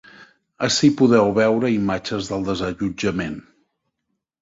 Ací podeu veure imatges del desallotjament.